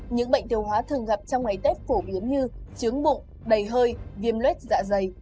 những bệnh tiêu hóa thường gặp trong ngày tết phổ biến như chướng bụng đầy hơi viêm lết dạ dày